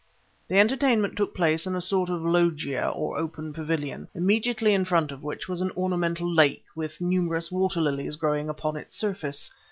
The entertainment took place in a sort of loggia or open pavilion, immediately in front of which was an ornamental lake, with numerous waterlilies growing upon its surface.